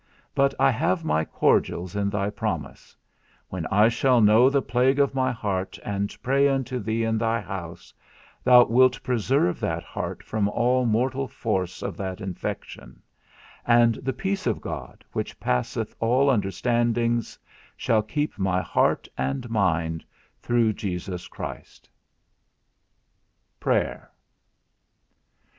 But I have my cordials in thy promise; when I shall know the plague of my heart, and pray unto thee in thy house, thou wilt preserve that heart from all mortal force of that infection; and the peace of God, which passeth all understandings shall keep my heart and mind through Christ Jesus. XI. PRAYER.